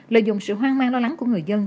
lợi dụng sự hoang mang lo lắng của người dân